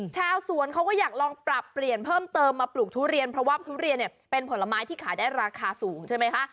ชาวสวนเขาก็อยากลองปรับเปลี่ยนเพิ่มเติมมาปลูกทุเรียนเพราะว่าทุเรียนเนี่ยเป็นผลไม้ที่ขายได้ราคาสูงใช่ไหมคะ